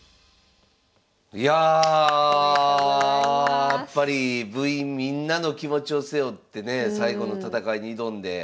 やっぱり部員みんなの気持ちを背負ってね最後の戦いに挑んで。